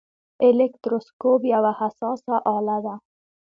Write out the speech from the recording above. الکتروسکوپ یوه حساسه آله ده.